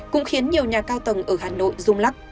cũng khiến nhiều nhà cao tầng ở hà nội rung lắc